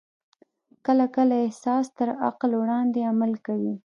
کله کله احساس تر عقل وړاندې عمل کوي.